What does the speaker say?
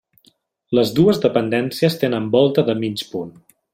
Les dues dependències tenen volta de mig punt.